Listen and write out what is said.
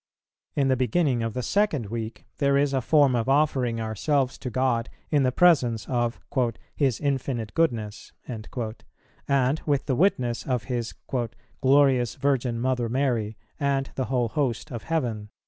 In the beginning of the Second Week there is a form of offering ourselves to God in the presence of "His infinite goodness," and with the witness of His "glorious Virgin Mother Mary, and the whole host of heaven."